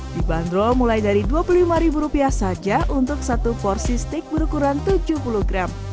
dibanderol mulai dari dua puluh lima saja untuk satu porsi steak berukuran tujuh puluh gram